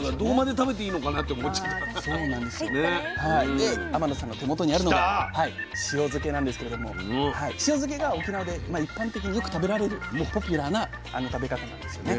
で天野さんの手元にあるのが塩漬けなんですけれども塩漬けが沖縄で一般的によく食べられるポピュラーな食べ方なんですよね。